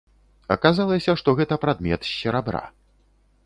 Аказалася, што гэта прадмет з серабра.